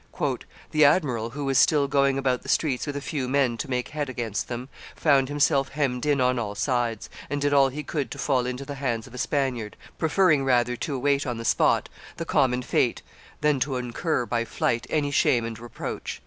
"The admiral, who was still going about the streets with a few men to make head against them, found himself hemmed in on all sides, and did all he could to fall into the hands of a Spaniard, preferring rather to await on the spot the common fate than to incur by flight any shame and reproach.